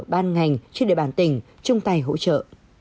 ban ngành trên địa bàn tỉnh chung tay hỗ trợ